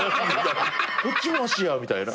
「こっちも足や」みたいな。